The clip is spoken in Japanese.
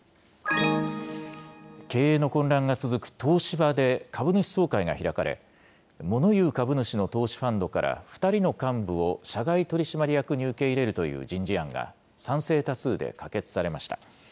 経営の混乱が続く東芝で株主総会が開かれ、モノ言う株主の投資ファンドから、２人の幹部を社外取締役に受け入れるという人事案が、賛成多数で可決されました。